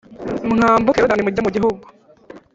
Mwambuke Yorodani mujye mu gihugu .